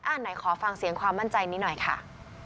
ไหนขอฟังเสียงความมั่นใจนี้หน่อยค่ะ